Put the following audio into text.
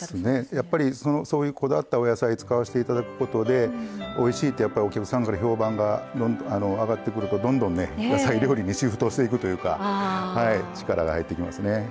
やっぱりそういうこだわったお野菜使わしていただくことでおいしいってお客さんから評判が上がってくるとどんどんね野菜料理にシフトしていくというか力が入ってきますね。ね。